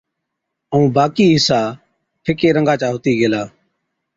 ائُون باقِي حِصا ڦِڪي رنگا چا هُتِي گيلا۔